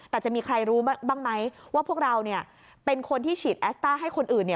แต่จะมีใครรู้บ้างไหมว่าพวกเราเป็นคนที่ฉีดแอสต้าให้คนอื่น